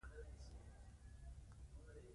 ستا په شان ښځه غواړم